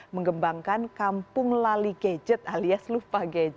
mengembangkan kampung lali gadget alias lupa gadget